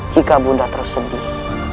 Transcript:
jika ibu nda terus sedih